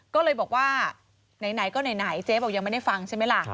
ก็เลยบอกว่าไหนก็ไหนเจ๊บอกยังไม่ได้ฟังใช่ไหมล่ะ